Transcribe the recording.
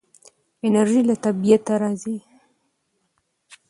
انرژي له طبیعته راځي.